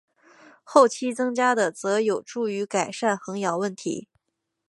后期增加的则有助于改善横摇问题。